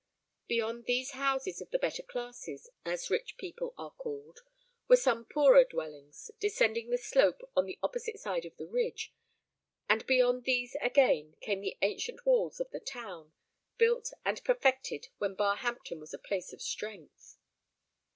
Beyond these houses of the better classes, as rich people are called, were some poorer dwellings, descending the slope on the opposite side of the ridge; and beyond these again, came the ancient walls of the town, built and perfected when Barhampton was a place of strength.